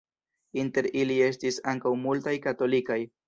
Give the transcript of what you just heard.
Inter ili estis ankaŭ multaj katolikaj.